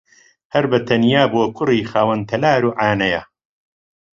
هەر بەتەنیا بۆ کوڕی خاوەن تەلار و عانەیە